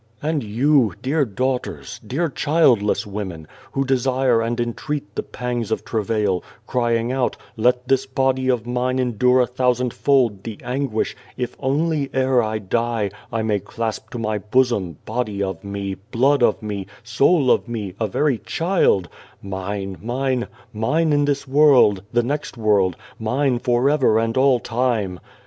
" And you, dear daughters, dear childless women, who desire and entreat the pangs of travail, crying out ' Let this body of mine endure a thousand fold the anguish, if only, ere I die, I may clasp to my bosom, body of me, blood of me, soul of me, a very child mine, mine, mine, in this world, the next world, mine, for ever and all time.'